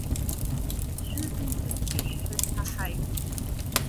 Шәызынтәык ишәҳәаз ҳаҳаит…